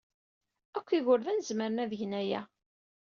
Akk igerdan zemren ad gen aya.